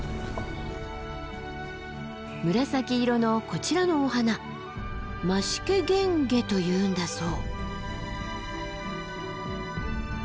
紫色のこちらのお花マシケゲンゲというんだそう。